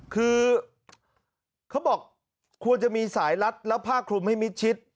คือเขาบอกควรจะมีสายรัดแล้วผ้าคลุมให้มิดชิด